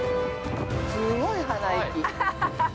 ◆すごい鼻息。